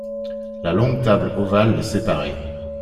La longue table ovale les séparait.